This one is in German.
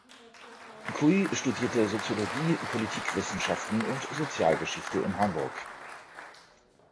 Kui studierte Soziologie, Politikwissenschaften und Sozialgeschichte in Hamburg.